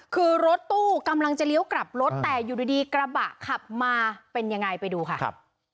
คือรถตู้กำลังจะเลี้ยวกลับรถแต่อยู่ดีกระบะขับมาเป็นยังไงไปดูค่ะ